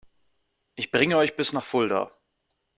Ich bringe euch bis nach Fulda